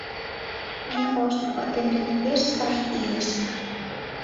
Ме ожно ватем дене пеш сай илышна...